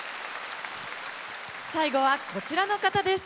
最後はこちらの方です。